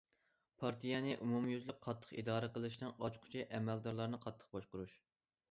پارتىيەنى ئومۇميۈزلۈك قاتتىق ئىدارە قىلىشنىڭ ئاچقۇچى ئەمەلدارلارنى قاتتىق باشقۇرۇش.